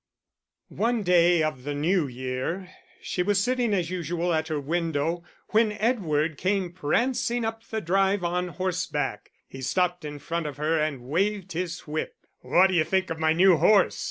One day of the new year she was sitting as usual at her window when Edward came prancing up the drive on horseback. He stopped in front of her and waved his whip. "What d'you think of my new horse?"